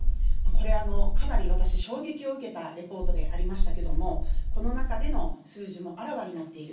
これかなり私、衝撃を受けたレポートでありましたけれども、この中での数字もあらわになっている。